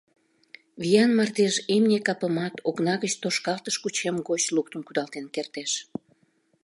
Виян мардеж имне капымат окна гыч тошкалтыш кучем гоч луктын кудалтен кертеш.